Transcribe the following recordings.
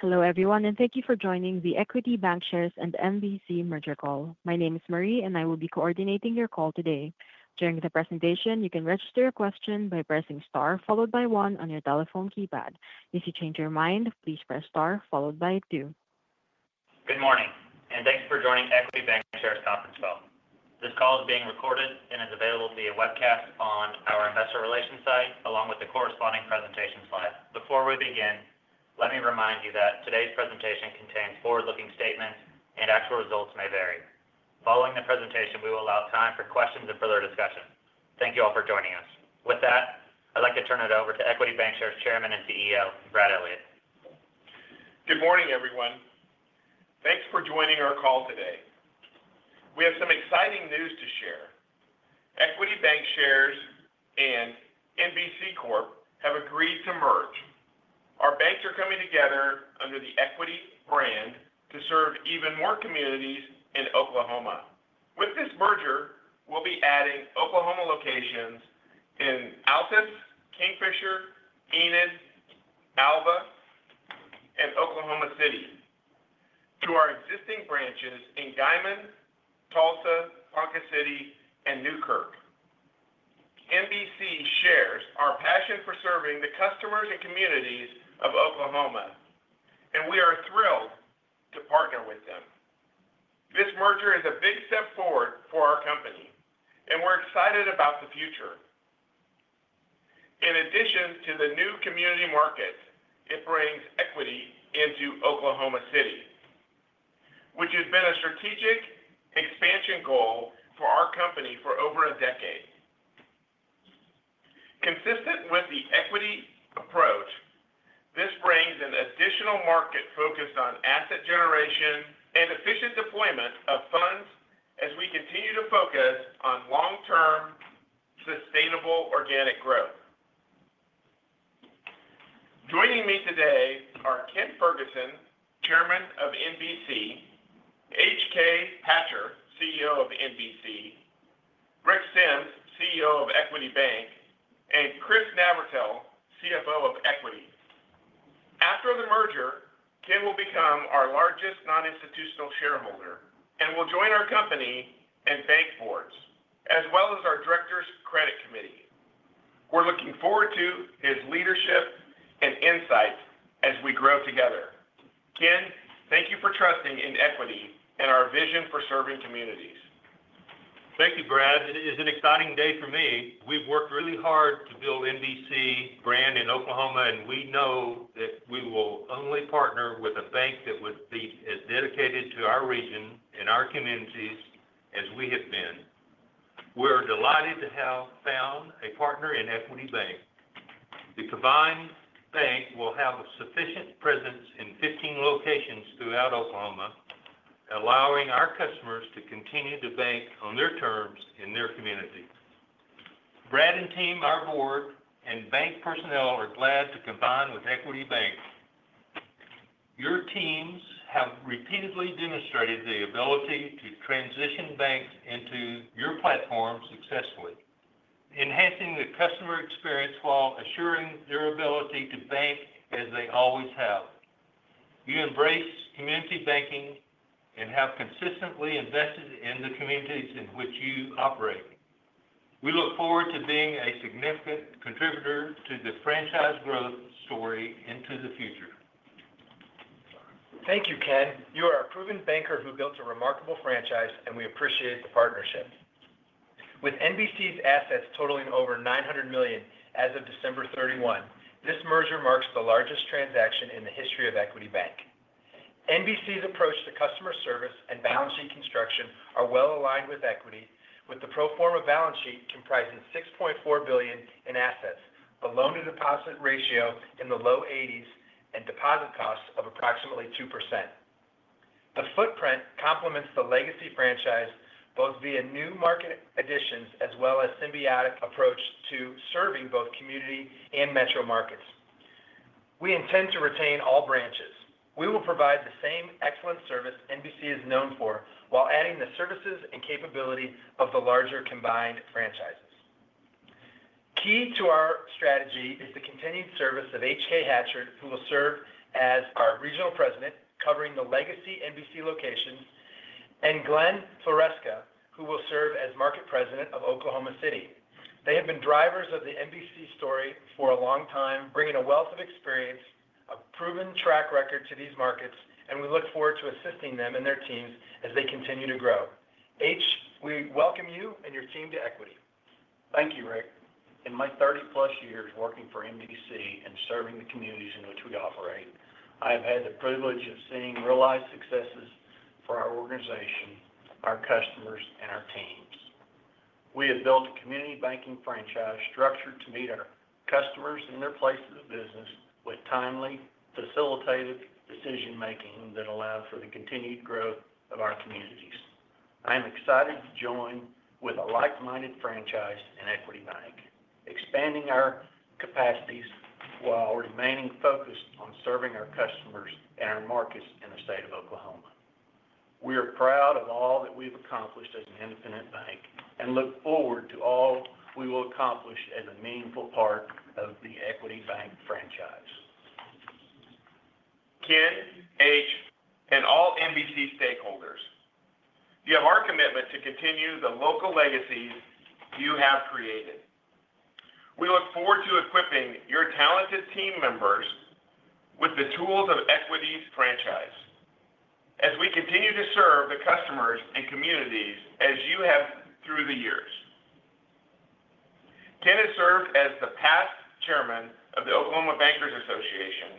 Hello, everyone, and thank you for joining the Equity Bancshares and NBC merger call. My name is Marie, and I will be coordinating your call today. During the presentation, you can register a question by pressing star followed by one on your telephone keypad. If you change your mind, please press star followed by two. Good morning, and thanks for joining Equity Bancshares Conference Call. This call is being recorded and is available via webcast on our investor relations site along with the corresponding presentation slides. Before we begin, let me remind you that today's presentation contains forward-looking statements, and actual results may vary. Following the presentation, we will allow time for questions and further discussion. Thank you all for joining us. With that, I'd like to turn it over to Equity Bancshares Chairman and CEO, Brad Elliott. Good morning, everyone. Thanks for joining our call today. We have some exciting news to share. Equity Bancshares and NBC Corp have agreed to merge. Our banks are coming together under the Equity brand to serve even more communities in Oklahoma. With this merger, we'll be adding Oklahoma locations in Altus, Kingfisher, Enid, Alva, and Oklahoma City to our existing branches in Guymon, Tulsa, Ponca City, and Newkirk. NBC shares our passion for serving the customers and communities of Oklahoma, and we are thrilled to partner with them. This merger is a big step forward for our company, and we're excited about the future. In addition to the new community markets, it brings Equity into Oklahoma City, which has been a strategic expansion goal for our company for over a decade. Consistent with the equity approach, this brings an additional market focused on asset generation and efficient deployment of funds as we continue to focus on long-term sustainable organic growth. Joining me today are Ken Fergeson, Chairman of NBC, H.K. Hatcher, CEO of NBC, Rick Sems, CEO of Equity Bank, and Chris Navratil, CFO of Equity. After the merger, Ken will become our largest non-institutional shareholder and will join our company and bank boards, as well as our Directors' Credit Committee. We're looking forward to his leadership and insights as we grow together. Ken, thank you for trusting in equity and our vision for serving communities. Thank you, Brad. It is an exciting day for me. We've worked really hard to build NBC brand in Oklahoma, and we know that we will only partner with a bank that would be as dedicated to our region and our communities as we have been. We are delighted to have found a partner in Equity Bank. The combined bank will have a sufficient presence in 15 locations throughout Oklahoma, allowing our customers to continue to bank on their terms in their community. Brad and team, our board, and bank personnel are glad to combine with Equity Bank. Your teams have repeatedly demonstrated the ability to transition banks into your platform successfully, enhancing the customer experience while assuring their ability to bank as they always have. You embrace community banking and have consistently invested in the communities in which you operate. We look forward to being a significant contributor to the franchise growth story into the future. Thank you, Ken. You are a proven banker who built a remarkable franchise, and we appreciate the partnership. With NBC's assets totaling over $900 million as of December 31, this merger marks the largest transaction in the history of Equity Bank. NBC's approach to customer service and balance sheet construction are well aligned with Equity, with the pro forma balance sheet comprising $6.4 billion in assets, a loan-to-deposit ratio in the low 80s, and deposit costs of approximately 2%. The footprint complements the legacy franchise both via new market additions as well as a symbiotic approach to serving both community and metro markets. We intend to retain all branches. We will provide the same excellent service NBC is known for while adding the services and capability of the larger combined franchises. Key to our strategy is the continued service of H.K. Hatcher, who will serve as our Regional President covering the legacy NBC locations, and Glenn Floresca, who will serve as Market President of Oklahoma City. They have been drivers of the NBC story for a long time, bringing a wealth of experience, a proven track record to these markets, and we look forward to assisting them and their teams as they continue to grow. H., we welcome you and your team to Equity. Thank you, Rick. In my 30-plus years working for NBC and serving the communities in which we operate, I have had the privilege of seeing realized successes for our organization, our customers, and our teams. We have built a community banking franchise structured to meet our customers and their places of business with timely, facilitated decision-making that allows for the continued growth of our communities. I am excited to join with a like-minded franchise in Equity Bank, expanding our capacities while remaining focused on serving our customers and our markets in the state of Oklahoma. We are proud of all that we've accomplished as an independent bank and look forward to all we will accomplish as a meaningful part of the Equity Bank franchise. Ken, H. and all NBC stakeholders, you have our commitment to continue the local legacies you have created. We look forward to equipping your talented team members with the tools of Equity's franchise as we continue to serve the customers and communities as you have through the years. Ken has served as the past Chairman of the Oklahoma Bankers Association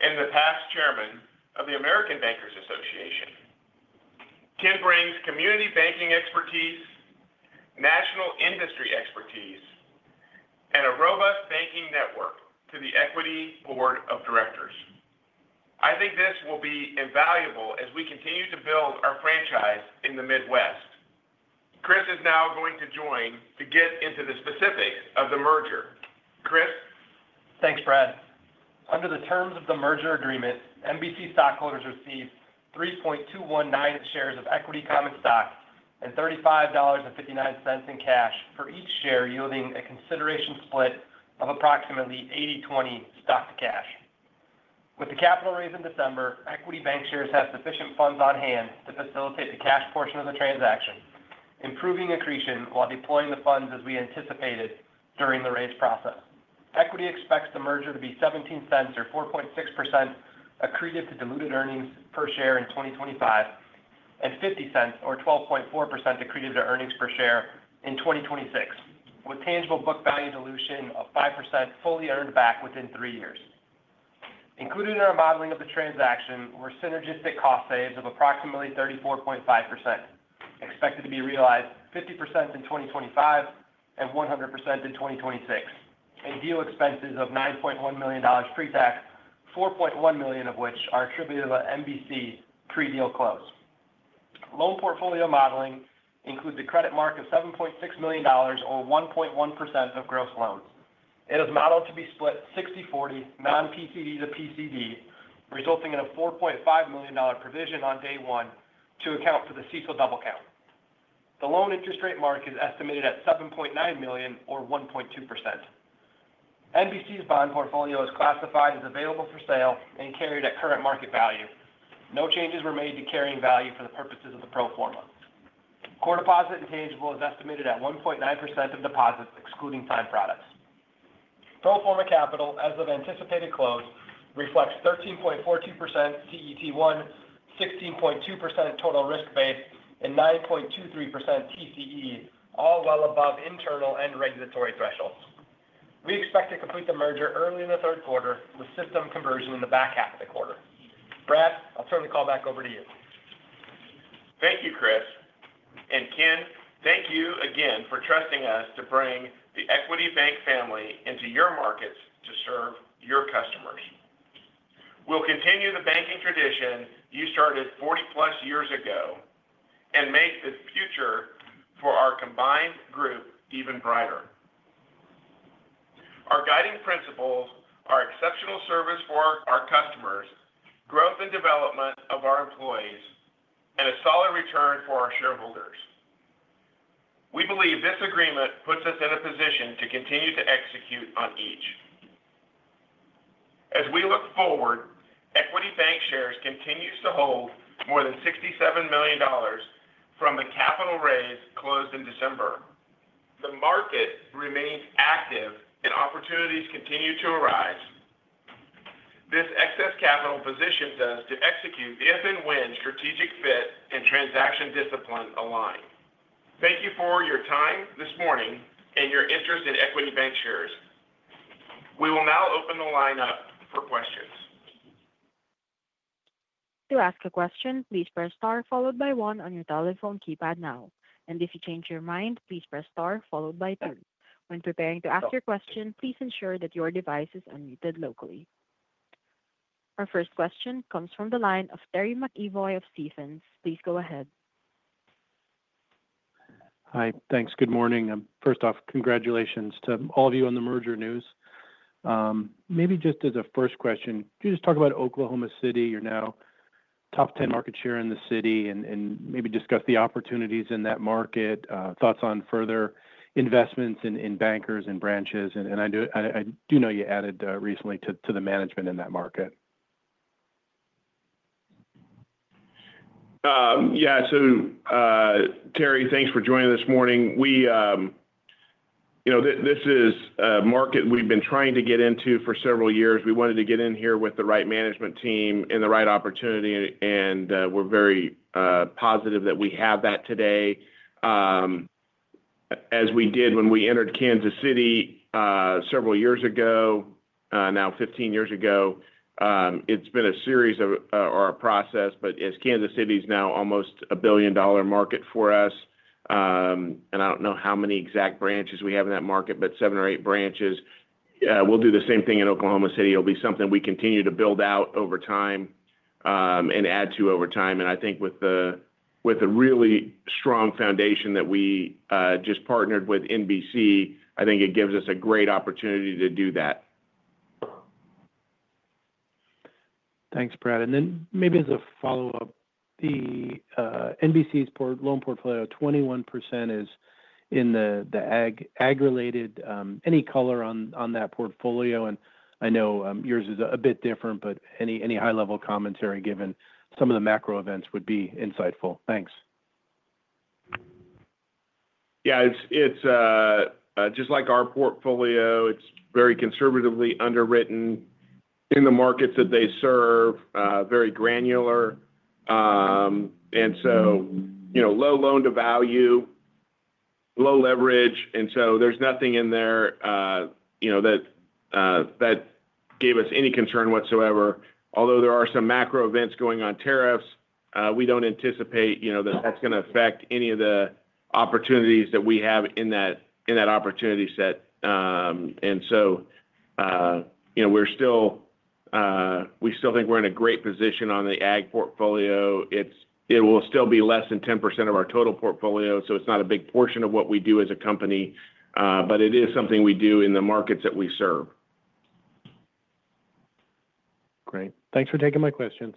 and the past Chairman of the American Bankers Association. Ken brings community banking expertise, national industry expertise, and a robust banking network to the Equity Board of Directors. I think this will be invaluable as we continue to build our franchise in the Midwest. Chris is now going to join to get into the specifics of the merger. Chris. Thanks, Brad. Under the terms of the merger agreement, NBC stockholders received 3.219 shares of Equity common stock and $35.59 in cash for each share, yielding a consideration split of approximately 80/20 stock to cash. With the capital raised in December, Equity Bancshares have sufficient funds on hand to facilitate the cash portion of the transaction, improving accretion while deploying the funds as we anticipated during the raise process. Equity expects the merger to be $0.17 or 4.6% accretive to diluted earnings per share in 2025 and $0.50 or 12.4% accretive to earnings per share in 2026, with tangible book value dilution of 5% fully earned back within three years. Included in our modeling of the transaction were synergistic cost savings of approximately 34.5%, expected to be realized 50% in 2025 and 100% in 2026, and deal expenses of $9.1 million pre-tax, $4.1 million of which are attributable to NBC pre-deal close. Loan portfolio modeling includes a credit mark of $7.6 million or 1.1% of gross loans. It is modeled to be split 60/40, non-PCD to PCD, resulting in a $4.5 million provision on day one to account for the CECL double count. The loan interest rate mark is estimated at $7.9 million or 1.2%. NBC's bond portfolio is classified as available for sale and carried at current market value. No changes were made to carrying value for the purposes of the pro forma. Core deposit intangible is estimated at 1.9% of deposits, excluding time products. Pro forma capital, as of anticipated close, reflects 13.42% CET1, 16.2% total risk-based, and 9.23% TCE, all well above internal and regulatory thresholds. We expect to complete the merger early in the third quarter with system conversion in the back half of the quarter. Brad, I'll turn the call back over to you. Thank you, Chris. Ken, thank you again for trusting us to bring the Equity Bank family into your markets to serve your customers. We will continue the banking tradition you started 40-plus years ago and make the future for our combined group even brighter. Our guiding principles are exceptional service for our customers, growth and development of our employees, and a solid return for our shareholders. We believe this agreement puts us in a position to continue to execute on each. As we look forward, Equity Bancshares continue to hold more than $67 million from the capital raise closed in December. The market remains active, and opportunities continue to arise. This excess capital positions us to execute if and when strategic fit and transaction discipline align. Thank you for your time this morning and your interest in Equity Bancshares. We will now open the line up for questions. To ask a question, please press star followed by one on your telephone keypad now. If you change your mind, please press star followed by two. When preparing to ask your question, please ensure that your device is unmuted locally. Our first question comes from the line of Terry McEvoy of Stephens. Please go ahead. Hi. Thanks. Good morning. First off, congratulations to all of you on the merger news. Maybe just as a first question, could you just talk about Oklahoma City? You're now top 10 market share in the city and maybe discuss the opportunities in that market, thoughts on further investments in bankers and branches. I do know you added recently to the management in that market. Yeah. Terry, thanks for joining this morning. This is a market we've been trying to get into for several years. We wanted to get in here with the right management team and the right opportunity, and we're very positive that we have that today. As we did when we entered Kansas City several years ago, now 15 years ago, it's been a series of our process, but as Kansas City is now almost a billion-dollar market for us, and I don't know how many exact branches we have in that market, but seven or eight branches. We'll do the same thing in Oklahoma City. It'll be something we continue to build out over time and add to over time. I think with a really strong foundation that we just partnered with NBC, I think it gives us a great opportunity to do that. Thanks, Brad. Maybe as a follow-up, the NBC's loan portfolio, 21% is in the ag-related, any color on that portfolio. I know yours is a bit different, but any high-level commentary given some of the macro events would be insightful. Thanks. Yeah. Just like our portfolio, it's very conservatively underwritten in the markets that they serve, very granular. Low loan-to-value, low leverage. There's nothing in there that gave us any concern whatsoever. Although there are some macro events going on, tariffs, we don't anticipate that that's going to affect any of the opportunities that we have in that opportunity set. We still think we're in a great position on the ag portfolio. It will still be less than 10% of our total portfolio, so it's not a big portion of what we do as a company, but it is something we do in the markets that we serve. Great. Thanks for taking my questions.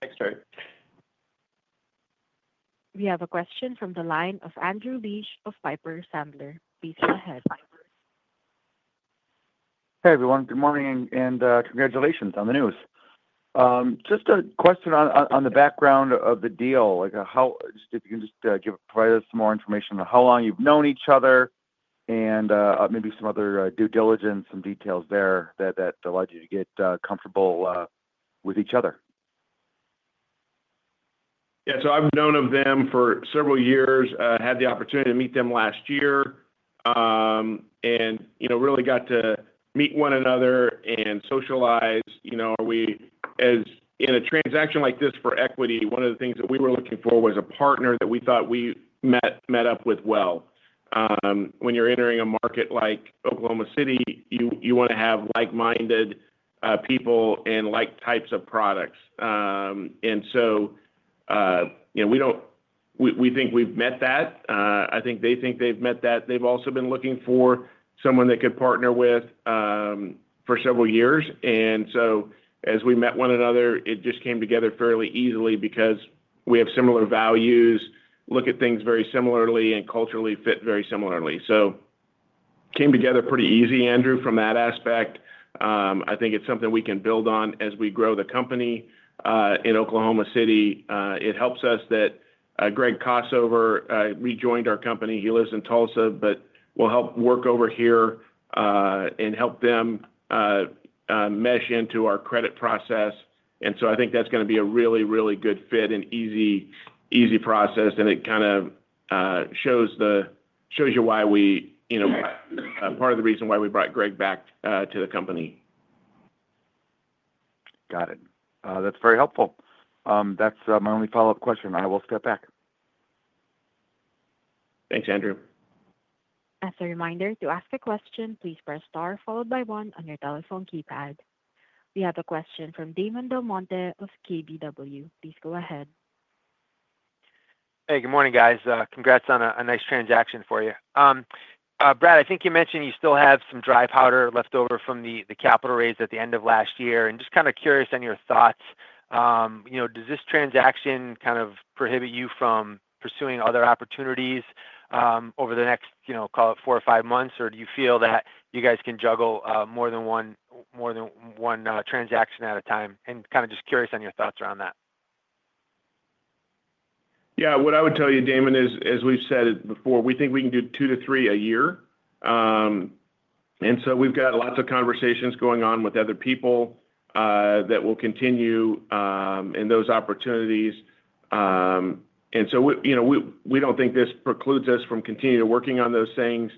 Thanks, Terry. We have a question from the line of Andrew Liesch of Piper Sandler. Please go ahead. Hey, everyone. Good morning and congratulations on the news. Just a question on the background of the deal. If you can just provide us some more information on how long you've known each other and maybe some other due diligence and details there that allowed you to get comfortable with each other. Yeah. So I've known of them for several years. I had the opportunity to meet them last year and really got to meet one another and socialize. In a transaction like this for Equity, one of the things that we were looking for was a partner that we thought we met up with well. When you're entering a market like Oklahoma City, you want to have like-minded people and like types of products. We think we've met that. I think they think they've met that. They've also been looking for someone they could partner with for several years. As we met one another, it just came together fairly easily because we have similar values, look at things very similarly, and culturally fit very similarly. Came together pretty easy, Andrew, from that aspect. I think it's something we can build on as we grow the company in Oklahoma City. It helps us that Greg Kossover rejoined our company. He lives in Tulsa, but will help work over here and help them mesh into our credit process. I think that's going to be a really, really good fit and easy process. It kind of shows you why we, part of the reason why we brought Greg back to the company. Got it. That's very helpful. That's my only follow-up question. I will step back. Thanks, Andrew. As a reminder, to ask a question, please press star followed by one on your telephone keypad. We have a question from Damon DelMonte of KBW. Please go ahead. Hey, good morning, guys. Congrats on a nice transaction for you. Brad, I think you mentioned you still have some dry powder left over from the capital raise at the end of last year. Just kind of curious on your thoughts. Does this transaction kind of prohibit you from pursuing other opportunities over the next, call it, four or five months? Do you feel that you guys can juggle more than one transaction at a time? Kind of just curious on your thoughts around that. Yeah. What I would tell you, Damon, is, as we've said before, we think we can do two to three a year. We have lots of conversations going on with other people that will continue in those opportunities. We do not think this precludes us from continuing to work on those things.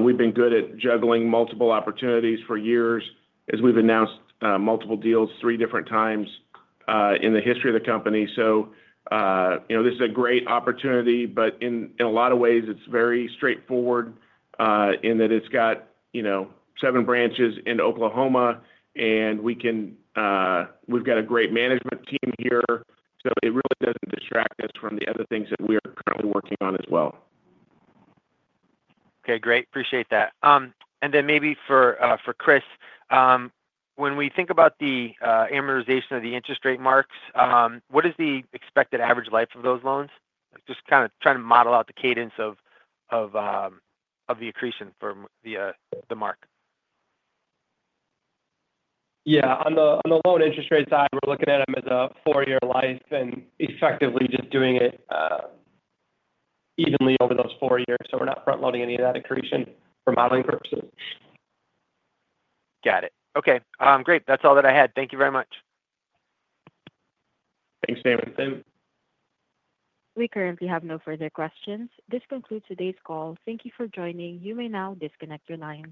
We have been good at juggling multiple opportunities for years, as we have announced multiple deals three different times in the history of the company. This is a great opportunity, but in a lot of ways, it is very straightforward in that it has seven branches in Oklahoma, and we have a great management team here. It really does not distract us from the other things that we are currently working on as well. Okay. Great. Appreciate that. Maybe for Chris, when we think about the amortization of the interest rate marks, what is the expected average life of those loans? Just kind of trying to model out the cadence of the accretion for the mark. Yeah. On the loan interest rate side, we're looking at them as a four-year life and effectively just doing it evenly over those four years. We're not front-loading any of that accretion for modeling purposes. Got it. Okay. Great. That's all that I had. Thank you very much. Thanks, David. We currently have no further questions. This concludes today's call. Thank you for joining. You may now disconnect your line.